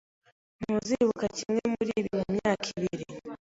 Ntuzibuka kimwe muribi mumyaka ibiri.